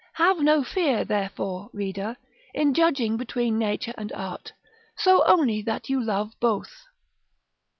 § VI. Have no fear, therefore, reader, in judging between nature and art, so only that you love both.